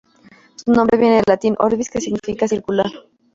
Su nombre viene del latín "orbis" que significa circular.